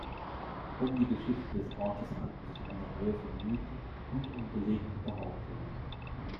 Um die Geschichte des Ortes ranken sich eine Reihe von Mythen und unbelegten Behauptungen.